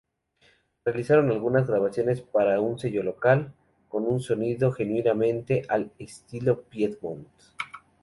Realizaron algunas grabaciones para un sello local, con un sonido genuinamente al "Estilo Piedmont".